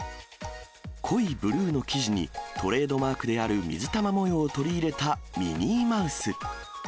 濃いブルーの生地に、トレードマークである水玉模様を取り入れたミニーマウス。